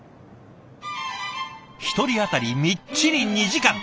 １人当たりみっちり２時間。